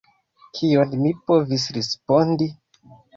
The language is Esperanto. Kion mi povis respondi?